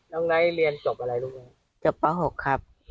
น้องไนท์เรียนจบอะไรลูกหน้าจบเมื่อหกครับ